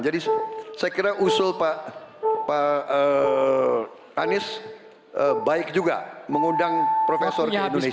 jadi saya kira usul pak anies baik juga mengundang profesor ke indonesia